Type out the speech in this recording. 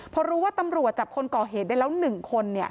พอรู้ว่าตำรวจจับคนก่อเหตุได้แล้ว๑คน